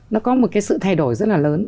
nó có một cái sự thay đổi rất là lớn